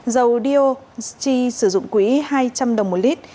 dầu dioxy sử dụng quỹ hai trăm linh đồng một lít